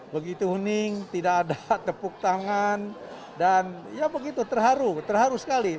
begitu huning tidak ada tepuk tangan dan ya begitu terharu terharu sekali